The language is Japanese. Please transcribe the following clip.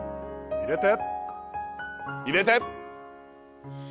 入れて！